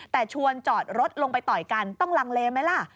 แต่ชวนจอดรถลงไปต่อยกันต้องลังเลไหมล่ะ